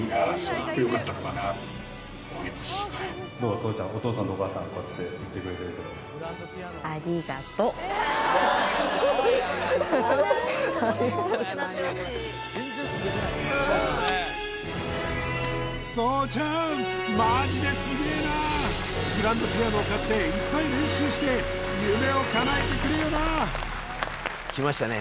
そうちゃんお父さんとお母さんこうやって言ってくれてるけどそうちゃんマジですげえなグランドピアノを買っていっぱい練習して夢をかなえてくれよなきましたね